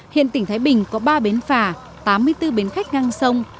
hiện tỉnh thái bình có ba bến phà tám mươi bốn bến khách ngang sông